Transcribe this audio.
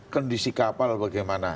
kondisi kapal bagaimana